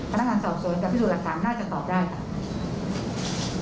พนักงานสอบสวนกับผู้สู่หลักฐานน่าจะตอบได้